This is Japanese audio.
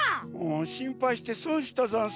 しんぱいしてそんしたざんす。